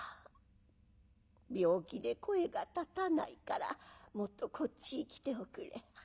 病気で声が立たないからもっとこっちへ来ておくれ。